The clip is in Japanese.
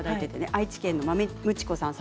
愛知県の方です。